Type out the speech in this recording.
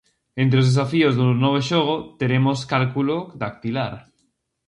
Entre os desafíos do novo xogo teremos cálculo dactilar.